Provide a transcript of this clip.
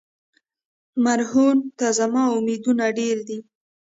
مرهون ته زما امیدونه ډېر دي.